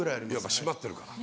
締まってるから。